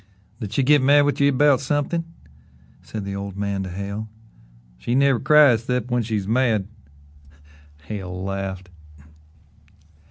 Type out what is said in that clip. "Did she git mad with ye 'bout somethin'?" said the old man to Hale. "She never cries 'cept when she's mad." Hale laughed.